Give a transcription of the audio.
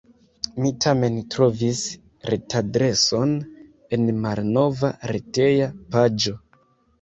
Mi tamen trovis retadreson en malnova reteja paĝo.